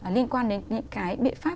liên quan đến những cái biện pháp